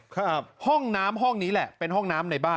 ครับห้องน้ำห้องนี้แหละเป็นห้องน้ำในบ้าน